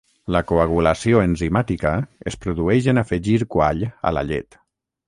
La coagulació enzimàtica es produeix en afegir quall a la llet.